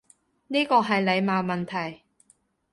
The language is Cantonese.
呢個係禮貌問題